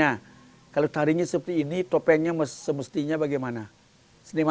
jadi kalo tarikannya seperti ini topenginya semestinya bagaimana